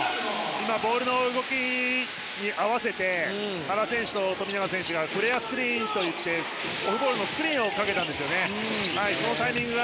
ボールの動きに合わせて原選手と富永選手がフレアースクリーンといってオフゴールのスクリーンをかけたんですね。